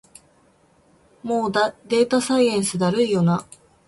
もうデータサイエンスだるいよな